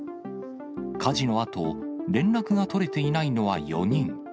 火事のあと、連絡が取れていないのは４人。